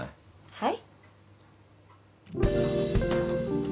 はい？